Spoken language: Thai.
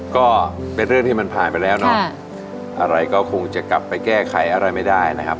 ก็เป็นเรื่องที่มันผ่านไปแล้วเนาะอะไรก็คงจะกลับไปแก้ไขอะไรไม่ได้นะครับ